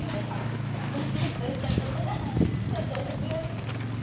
私とした事が痛恨の極み。